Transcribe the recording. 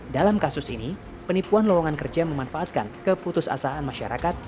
dalam kasus ini penipuan lowongan kerja memanfaatkan keputusasaan masyarakat